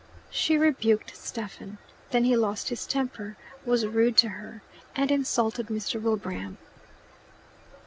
She rebuked Stephen. Then he lost his temper, was rude to her, and insulted Mr. Wilbraham.